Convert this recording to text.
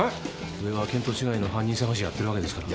上は見当違いの犯人探しやってるわけですから。